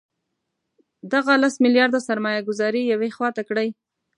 دغه لس میلیارده سرمایه ګوزاري یوې خوا ته کړئ.